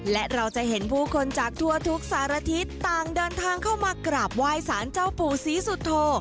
และเราจะเห็นผู้คนจากทั่วทุกสารทิศต่างเดินทางเข้ามากราบไหว้สารเจ้าปู่ศรีสุโธ